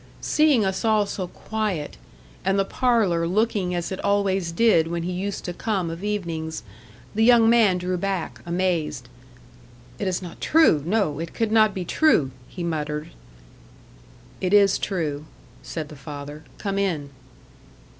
Seeing us all so quiet, and the parlour looking as it always did when he used to come of evenings the young man drew back, amazed. "It is not true! No, it could not be true!" he muttered. "It is true," said the father. "Come in."